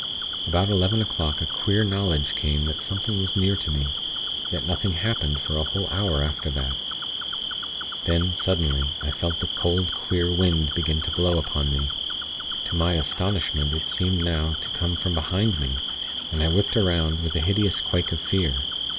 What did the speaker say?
About eleven o'clock a queer knowledge came that something was near to me; yet nothing happened for a whole hour after that. Then, suddenly, I felt the cold, queer wind begin to blow upon me. To my astonishment, it seemed now to come from behind me, and I whipped 'round, with a hideous quake of fear.